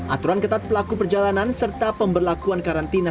aturan ketat pelaku perjalanan serta pemberlakuan karantina